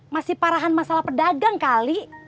masih parahan masalah pedagang kali